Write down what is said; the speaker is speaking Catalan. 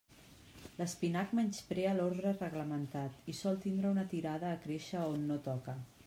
L'espinac menysprea l'ordre reglamentat i sol tindre una tirada a créixer on no toca.